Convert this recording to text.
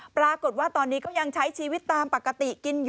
ปรากฏว่าตอนนี้ก็ยังใช้ชีวิตตามปกติกินอยู่